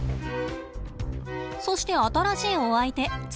そして新しいお相手ツヨシ。